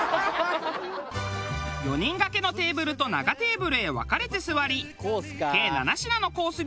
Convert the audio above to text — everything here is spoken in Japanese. ４人がけのテーブルと長テーブルへ分かれて座り計７品のコース